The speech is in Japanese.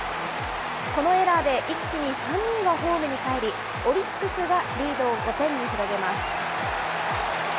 このエラーで一気に３人がホームにかえり、オリックスがリードを５点に広げます。